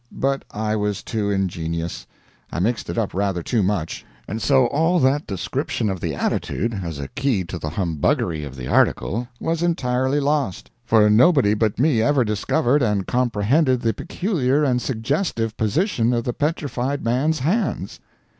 But I was too ingenious. I mixed it up rather too much; and so all that description of the attitude, as a key to the humbuggery of the article, was entirely lost, for nobody but me ever discovered and comprehended the peculiar and suggestive position of the petrified man's hands.